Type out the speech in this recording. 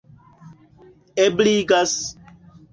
ebligas